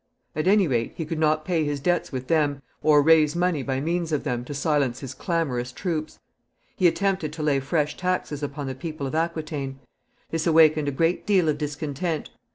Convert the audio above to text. At any rate, he could not pay his debts with them, or raise money by means of them to silence his clamorous troops. He attempted to lay fresh taxes upon the people of Aquitaine. This awakened a great deal of discontent.